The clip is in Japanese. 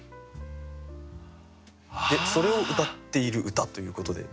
でそれをうたっている歌ということで。